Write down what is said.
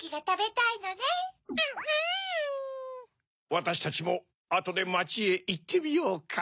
わたしたちもあとでまちへいってみようか？